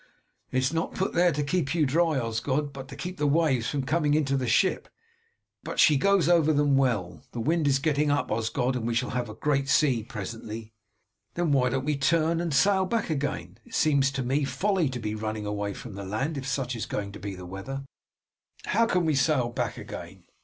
"It is not put there to keep you dry, Osgod, but to keep the waves from coming into the ship. But she goes over them well. The wind is getting up, Osgod, and we shall have a great sea presently." "Then why don't we turn and sail back again? It seems to me to be folly to be running away from the land if such is going to be the weather." "How can we sail back again?